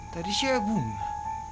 tadi cewek bunga